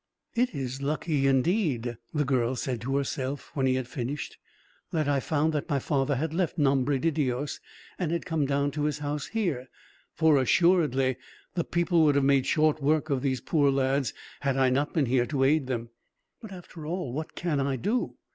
"It is lucky, indeed," the girl said to herself, when he had finished, "that I found that my father had left Nombre de Dios, and had come down to his house here; for, assuredly, the people would have made short work of these poor lads, had I not been here to aid them. But, after all, what can I do?